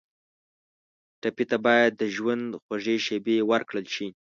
ټپي ته باید د ژوند خوږې شېبې ورکړل شي.